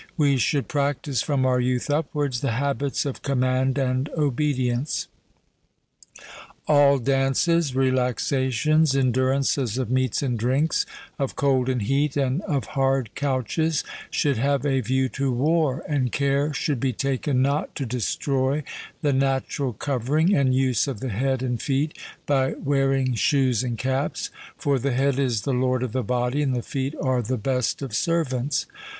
We should practise from our youth upwards the habits of command and obedience. All dances, relaxations, endurances of meats and drinks, of cold and heat, and of hard couches, should have a view to war, and care should be taken not to destroy the natural covering and use of the head and feet by wearing shoes and caps; for the head is the lord of the body, and the feet are the best of servants.